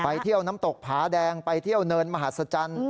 เที่ยวน้ำตกผาแดงไปเที่ยวเนินมหัศจรรย์